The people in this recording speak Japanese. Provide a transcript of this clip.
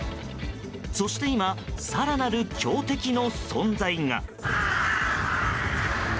そして今更なる強敵の存在が。